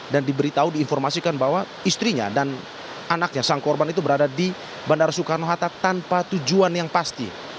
dan diberitahu diinformasikan bahwa istrinya dan anaknya sang korban itu berada di bandara soekarno hatta tanpa tujuan yang pasti